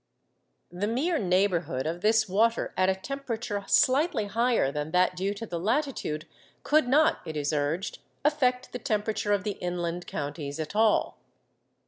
The mere neighbourhood of this water at a temperature slightly higher than that due to the latitude could not, it is urged, affect the temperature of the inland counties at all.